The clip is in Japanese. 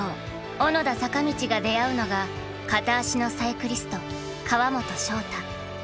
小野田坂道が出会うのが片足のサイクリスト川本翔大。